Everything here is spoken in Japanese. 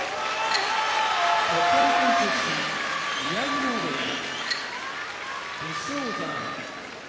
鳥取県出身宮城野部屋武将山